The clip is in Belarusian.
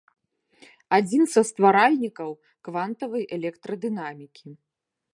Адзін са стваральнікаў квантавай электрадынамікі.